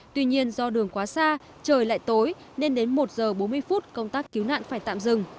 tuy nhiên do đường quá xa trời lại tối nên đến một h bốn mươi phút công tác cứu nạn phải tạm dừng